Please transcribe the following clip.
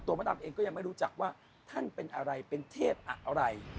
มดำเองก็ยังไม่รู้จักว่าท่านเป็นอะไรเป็นเทพอะไร